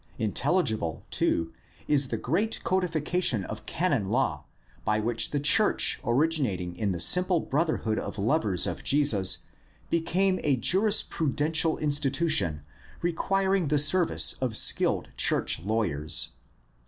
Intelligible, too, is the great codification of canon law by which the church originating in the simple brotherhood of lovers of Jesus became a juris prudential institution requiring the service of skilled church lawyers.